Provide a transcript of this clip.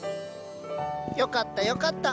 よかったよかった。